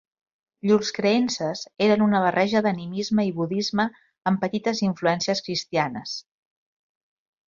Llurs creences eren una barreja d'animisme i budisme amb petites influències cristianes.